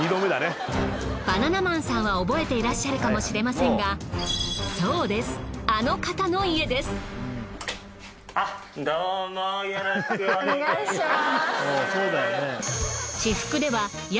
バナナマンさんは覚えていらっしゃるかもしれませんがそうですお願いします。